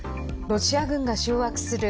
ロシア軍が掌握する